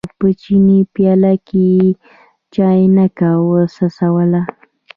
په چیني پیاله کې یې چاینکه وڅڅوله.